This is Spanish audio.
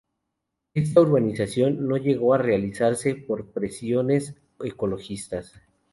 Esta urbanización no llegó a realizarse por las presiones ecologistas.